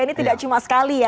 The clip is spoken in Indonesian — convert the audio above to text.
ini tidak cuma sekali ya